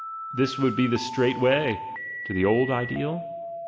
this would be the straight way — to the old ideal?